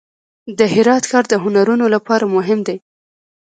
د هرات ښار د هنرونو لپاره مهم دی.